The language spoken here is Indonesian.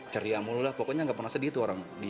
ceria mulu lah pokoknya nggak pernah sedih tuh orang